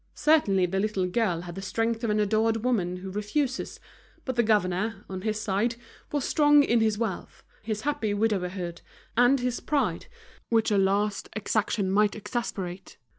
Certainly the little girl had the strength of an adored woman who refuses, but the governor, on his side, was strong in his wealth, his happy widowerhood, and his pride which a last exaction might exasperate.